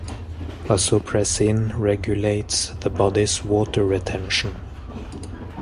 Vasopressin regulates the body's water retention.